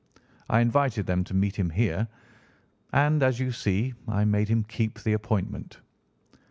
I invited them to meet him here, and, as you see, I made him keep the appointment."